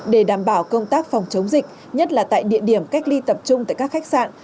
để đảm bảo công tác phòng chống dịch nhất là tại địa điểm cách ly tập trung tại các khách sạn